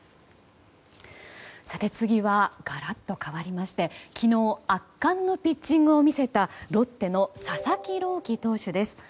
次はガラッとかわりまして昨日、圧巻のピッチングを見せたロッテの佐々木朗希投手です。